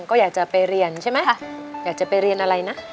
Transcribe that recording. ก็อยากจะไปเรียนใช่ไหมคะอยากจะไปเรียนอะไรนะ